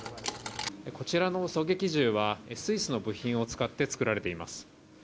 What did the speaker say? こちらの狙撃銃は、スイスの部品を使って作られています。